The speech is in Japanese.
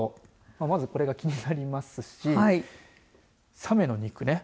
まずこれが気になりますしサメの肉で。